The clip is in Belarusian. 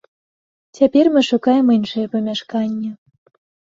Цяпер мы шукаем іншае памяшканне.